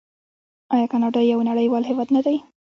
آیا کاناډا یو نړیوال هیواد نه دی؟